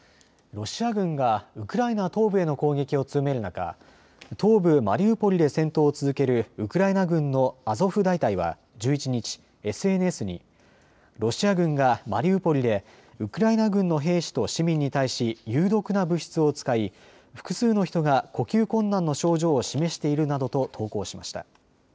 ロシア軍がウクライナ東部への攻撃を強める中、東部マリウポリで戦闘を続けるウクライナ軍のアゾフ大隊は１１日、ＳＮＳにロシア軍がマリウポリでウクライナ軍の兵士と市民に対し有毒な物質を使い複数の人が呼吸困難の症状を示しているなどと投稿しました。